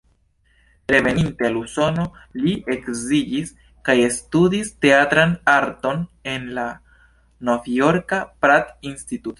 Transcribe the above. Reveninte al Usono li edziĝis kaj ekstudis teatran arton en la Novjorka "Pratt Institute".